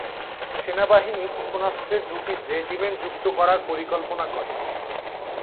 সেনাবাহিনী ক্ষেপণাস্ত্রের দুটি রেজিমেন্ট যুক্ত করার পরিকল্পনা করে।